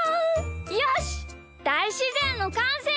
よしだいしぜんのかんせいだ！